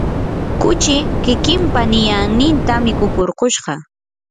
kuchi kikimpa niyanninta mikukurkushqa.